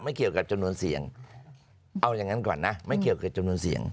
เกี่ยวกับจำนวนเสี่ยงเอาอย่างนั้นก่อนนะไม่เกี่ยวกับจำนวนเสียง